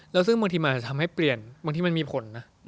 แล้วซึ่งบางทีมันอาจจะทำให้เปลี่ยนบางทีมันมีผลนะ